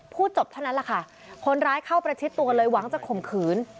พูดจบเท่านั้นแหละค่ะคนร้ายเข้าประชิดตัวเลยหวังจะข่มขืน